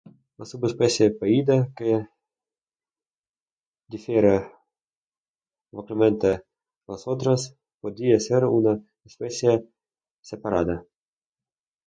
La subespecie "pallida", que difiere vocalmente de las otras, podría ser una especie separada.